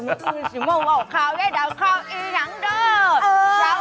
ว่าขาวย่ายดาวขาวอีข์นังเด่อ